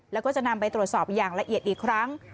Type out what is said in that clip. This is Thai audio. แล้วก็จะนำไปตรวจสอบอย่างละเอียดอีกครั้ง